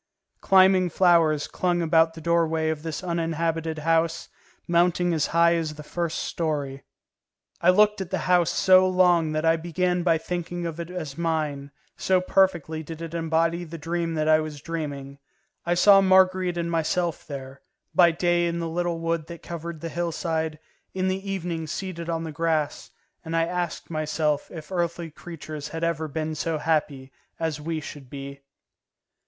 Climbing flowers clung about the doorway of this uninhabited house, mounting as high as the first story. I looked at the house so long that I began by thinking of it as mine, so perfectly did it embody the dream that I was dreaming; I saw Marguerite and myself there, by day in the little wood that covered the hillside, in the evening seated on the grass, and I asked myself if earthly creatures had ever been so happy as we should be.